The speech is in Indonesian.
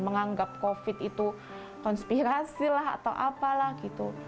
menganggap covid itu konspirasi lah atau apalah gitu